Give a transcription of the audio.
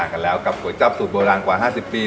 ก๋วยจับสูตรโบร่างกว่า๕๐ปี